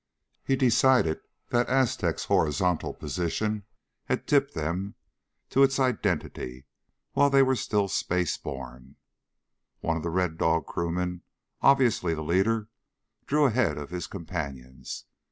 He decided the Aztec's horizontal position had tipped them to its identity while they were still space borne. One of the Red Dog crewmen, obviously the leader, drew ahead of his companions.